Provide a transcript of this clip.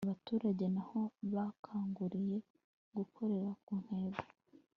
abaturage nabo bakangukiye gukorera ku ntego